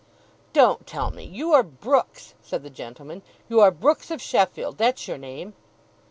'Don't tell me. You are Brooks,' said the gentleman. 'You are Brooks of Sheffield. That's your name.